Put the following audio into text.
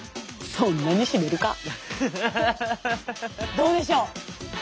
どうでしょう？